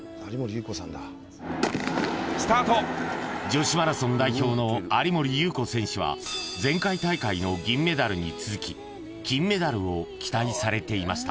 ［女子マラソン代表の有森裕子選手は前回大会の銀メダルに続き金メダルを期待されていました］